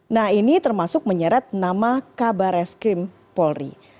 nah ini termasuk menyeret nama kabareskrim polri